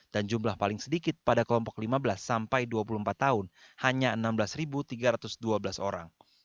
dan jumlah paling sedikit pada kelompok lima belas sampai dua puluh empat tahun hanya enam belas tiga ratus dua belas orang